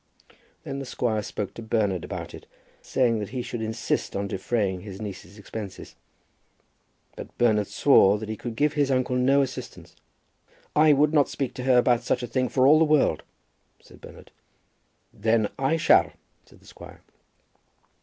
Then the squire spoke to Bernard about it, saying that he should insist on defraying his niece's expenses. But Bernard swore that he could give his uncle no assistance. "I would not speak to her about such a thing for all the world," said Bernard. "Then I shall," said the squire.